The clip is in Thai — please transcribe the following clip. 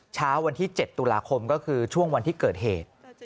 เช้าวันที่๗ตุลาคมก็คือช่วงวันที่เกิดเหตุ